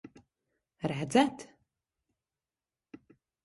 Redzat?